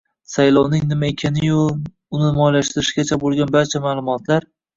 — saylovning nima ekani-yu, uni moliyalashtirishgacha bo‘lgan barcha ma’lumotlar